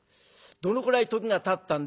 どのくらい時がたったんでしょう。